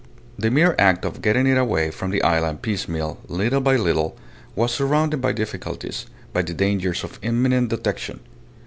The mere act of getting it away from the island piecemeal, little by little, was surrounded by difficulties, by the dangers of imminent detection.